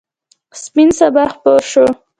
سپین صبح خپور شو.